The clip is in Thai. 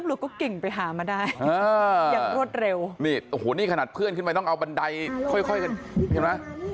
แล้วก็เก่งไปหามาได้อย่างรวดเร็วนี่โอ้โหนี่ขนาดเพื่อนขึ้นไปต้องเอาบันไดค่อยค่อยเห็นไหม